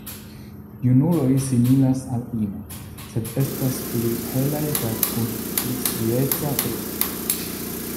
Junuloj similas al ino, sed estas pli helaj kaj kun pli strieca brusto.